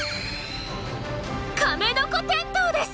カメノコテントウです！